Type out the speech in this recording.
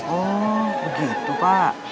oh begitu pak